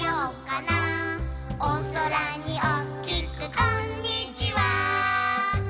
「おそらにおっきくこんにちは！」